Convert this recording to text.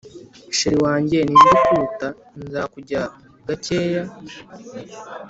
Cheri wanjye ninde ukuruta nzakujya gakeya